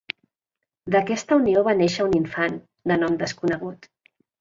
D'aquesta unió va néixer un infant, de nom desconegut.